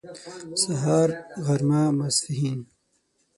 سهار غرمه ماسپښين